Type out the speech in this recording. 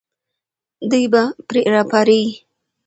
دوی به پرې راپارېږي.